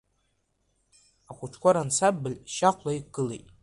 Ахәыҷқәа рансамбль шьахәла иқәгылеит.